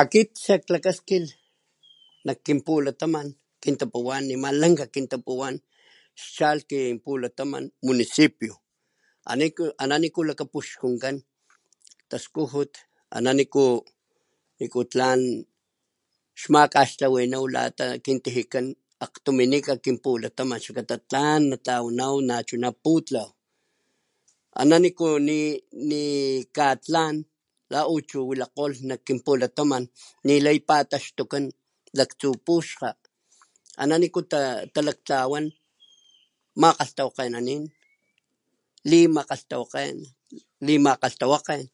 Akit xakklakaskilh nakkinpulataman kintapuwan nema lanka kpuwan xchalh nkk municipio ana niku lakapuxkuyan taskujut ananiku nikutlan xmakaxtlawaniw kintijiakan akgtuminika pulataman xlakata tlan natlawanaw putlaw ana niku nikatlan la uchu walakgolh nak kinpulataman, nilay pataxtukan laktsu puxkga ana niku talaktlawan makgalhtawakgenanin limakgalhtawakgen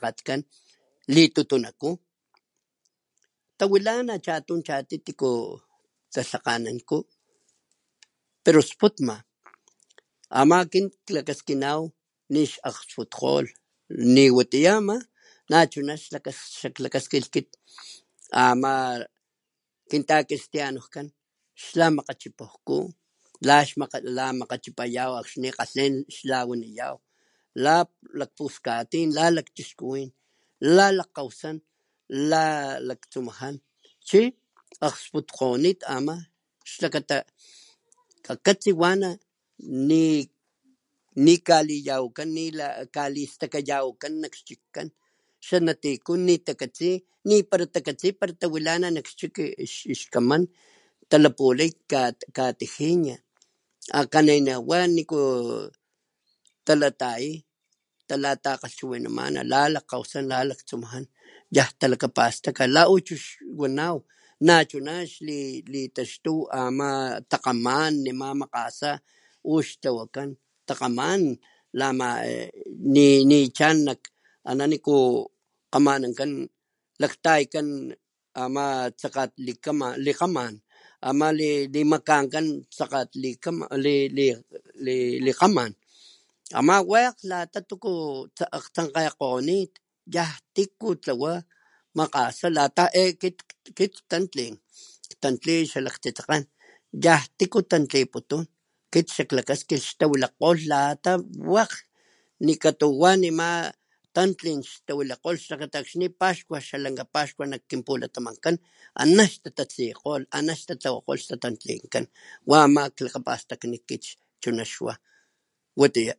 tawilanankgolh takimakgalhchokgoy chi xlakata nila tapataxtuy chi akxni senan staka laktsu puxkga xawa liminkgoy lata tuku lixkajnit nilay tajukan ama xaklakaskilh ama xkaxtlawaka xkinmakgtayan puxku mapakgsina naxaklakaskilh xtaspitpa ama kilhtamaku ana niku ama kintapakganat xtachiwinalh kintachiwinkan litutunaku xlakata nixlakgtsankalh nachuna xtalhakganalh kintalhakanankan ama xasnapapa nalan tasi maski nixtawalilh chali chali akxni xpaxkuajnakan la uchu tlawakan 15 de agosto oso kinpaskuankan nakkinpulataman wakg xtatlanakgolh snapapa xtlakgatkan litutunaku tawilana chatun chatuy tiku talhakgananku pero sputma ama akit klakaskinaw nixlakgsputkgolh niwatiya nachuna xaklakaskilh ama kintacristianunkan xlmakgachipajku la akxni lamakgachipayaw akxni tlen xlawaniyae puskatin lalakchixkuwin lalakkgawasan lalaktsumajan chi akgsputkgoni chi ama xlakata kakatsi wana nikalitawakan nikaliskujkan stakayawakan nak chitkan xanatikun nitakatsi para takatsi tawilana nakchiki xkamajkan talapula nak katijin akaniniwa talatayay talatakgalhchiwinaman lalakgkgawasan la laktsumajan yan talakapastaka la uchu wanaw nachuna kitaxtu la takgaman makgasa xtawan takgaman nichan ana niku kgamanankan laktayakan ama tsakat likgaman ama limakankan lhakat likgaman ama wakg lata tuku akgtsankgekgonit yan tiku tlawa makgasa lata he akit tantli tantli xalakg tsitsakgen yan tiku tantliputun akit xikklakskilh xtawilakgolh wakg lata wakg likatuwa nima tantlin xlakata akxni paxkua lanka paxkua nak kinpilatamankan ana xtatantlikgolh ana tantlikan wa ama kintalakapastakni chuna ixwa watiya.